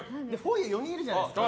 ゆって４人いるじゃないですか。